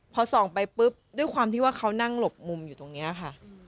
พอส่องไปปุ๊บด้วยความที่ว่าเขานั่งหลบมุมอยู่ตรงนี้ค่ะ